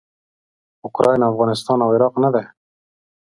اوکراین افغانستان او عراق نه دي.